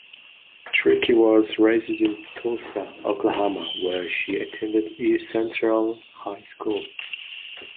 Trickey was raised in Tulsa, Oklahoma, where she attended East Central High School.